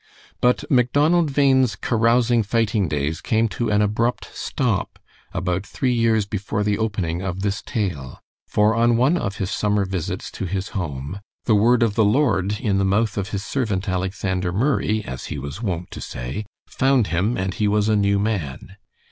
But Macdonald Bhain's carousing, fighting days came to an abrupt stop about three years before the opening of this tale, for on one of his summer visits to his home, "The word of the Lord in the mouth of his servant Alexander Murray," as he was wont to say, "found him and he was a new man."